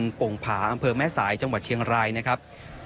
มตรภาพเมษายกว่าจังหวัดเชียงรายครับ